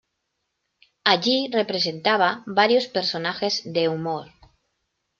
Allí representaba varios personajes de humor.